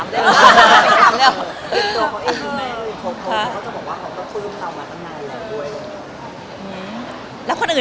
ไม่มีความฉันถามเลย